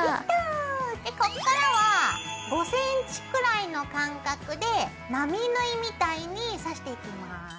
でこっからは５ｃｍくらいの間隔で並縫いみたいに刺していきます。